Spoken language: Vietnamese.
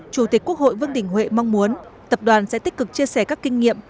chủ tịch quốc hội vương đình huệ mong muốn tập đoàn sẽ tích cực chia sẻ các kinh nghiệm